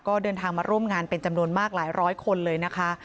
ก็เดินทางมาร่วมงานเป็นจำนวนมากหลายร้อยคนเลยนะคะ